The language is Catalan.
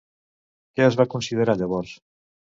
Què es va considerar llavors?